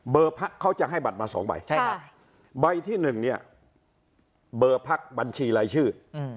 เบอร์พักเขาจะให้บัตรมาสองใบใช่ครับใบที่หนึ่งเนี้ยเบอร์ภักด์บัญชีลายชื่อ